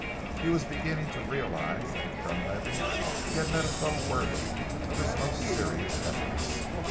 He was beginning to realize that in Dunlavey he had met a foe worthy of his most serious efforts.